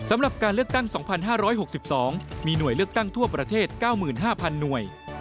สำหรับการเลือกตั้ง๒๕๖๒มีหน่วยเลือกตั้งทั่วประเทศ๙๕๐๐หน่วย